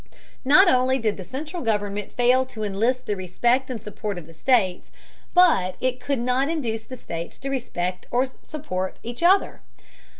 Not only did the central government fail to enlist the respect and support of the states, but it could not induce the states to respect or support one another.